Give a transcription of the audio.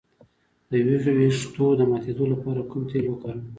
د ویښتو د ماتیدو لپاره کوم تېل وکاروم؟